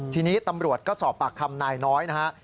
ทีนี้ตำรวจก็สอบปากคำนายน้อยนะฮะ